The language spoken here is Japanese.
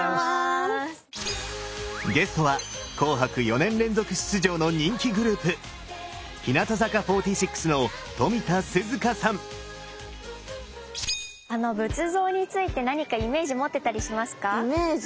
ゲストは「紅白」４年連続出場の人気グループ仏像について何かイメージ持ってたりしますか？イメージ？